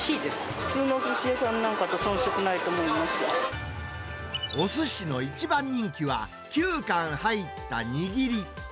普通のおすし屋さんなんかとおすしの一番人気は、９貫入った握り。